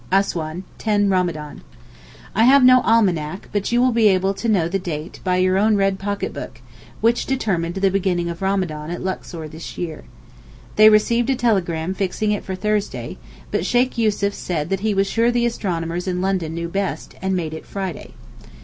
ASSOUAN, 10 Ramadan. I have no almanach, but you will be able to know the date by your own red pocketbook, which determined the beginning of Ramadan at Luxor this year. They received a telegram fixing it for Thursday, but Sheykh Yussuf said that he was sure the astronomers in London knew best, and made it Friday.